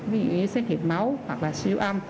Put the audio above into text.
ví dụ như xét nghiệm máu hoặc là siêu âm